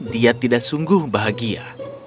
dia tidak sungguh bahagia